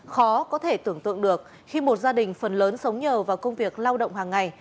khó có thể tưởng tượng được khi một gia đình phần lớn sống nhờ vào công việc lao động hàng ngày